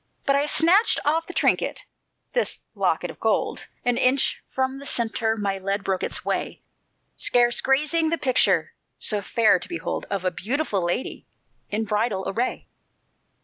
"But I snatched off the trinket, this locket of gold; An inch from the centre my lead broke its way, Scarce grazing the picture, so fair to behold, Of a beautiful lady in bridal array."